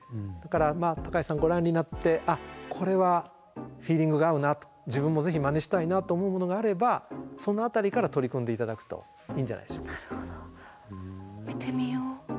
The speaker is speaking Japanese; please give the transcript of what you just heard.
だから橋さんご覧になってあっこれはフィーリングが合うなと自分もぜひまねしたいなと思うものがあればその辺りから取り組んで頂くといいんじゃないでしょうか。